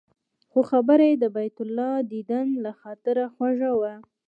خو خبره یې د بیت الله دیدن له خاطره خوږه وه.